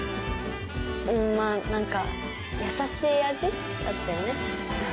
うんまあ何か優しい味だったよね。